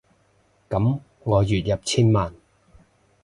噉我月入千萬